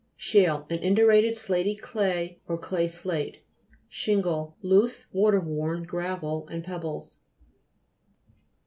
SHALE An indurated slaty clay, or clay slate. SHIITGLE Loose, water worn gravel and pebbles.